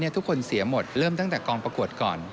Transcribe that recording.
ทุกคนเสียหมดเริ่มตั้งแต่กองประกวดก่อน